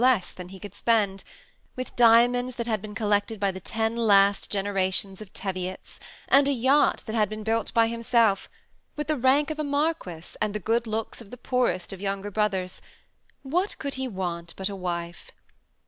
less than he could spend ; with diamonds that had been collected by the ten last generations of Teviots, and a yacht that had been built by himself, with the rank of a marquis, and the good looks of the poorest of younger brothers, — what could he want but a wife